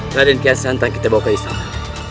bagi niki asantan kita bawa ke istana